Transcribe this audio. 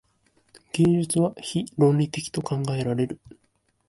芸術は非論理的と考えられる。